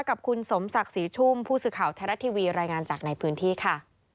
กับคุณสมศักดิ์ศรีชุ่มผู้สื่อข่าวไทยรัฐทีวีรายงานจากในพื้นที่ค่ะ